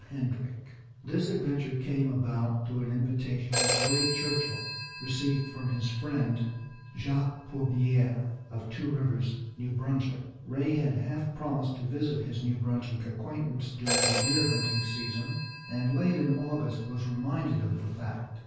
Hendrick This adventure came about through an invitation which Ray Churchill received from his friend, Jacques Pourbiere of Two Rivers, New Brunswick. Ray had half promised to visit his New Brunswick acquaintance during the deer hunting season, and late in August was reminded of the fact.